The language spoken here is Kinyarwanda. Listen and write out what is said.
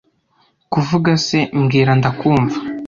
kuvuga se mbwira ndakumva